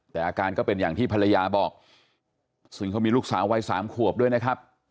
แต่อาการก็เป็นอย่างที่ภรรยาบอกซึ่งเขามีลูกสาววัยสามขวบด้วยนะครับ